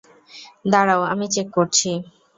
দাঁড়াও আমি চেক করছি।